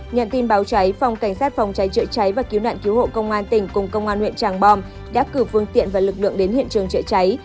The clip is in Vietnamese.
nhận tin báo cháy phòng cảnh sát phòng cháy trợ cháy và cứu nạn cứu hộ công an tỉnh cùng công an huyện tràng bòm đáp cử phương tiện và lực lượng đến hiện trường trợ cháy